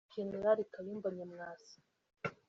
Jenerali Kayumba Nyamwasa